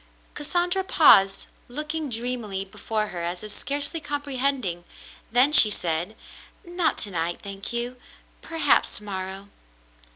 Cassandra paused, looking dreamily before her as if scarcely comprehending, then she said : "Not to night, thank you. Perhaps to morrow."